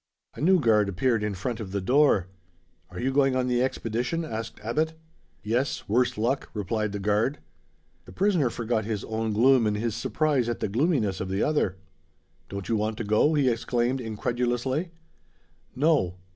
A new guard appeared in front of the door. "Are you going on the expedition?" asked Abbot. "Yes, worse luck," replied the guard. The prisoner forgot his own gloom, in his surprise at the gloominess of the other. "Don't you want to go?" he exclaimed incredulously. "No."